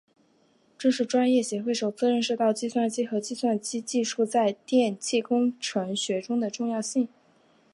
这是专业协会首次认识到计算机和计算机技术在电气工程学中的重要性。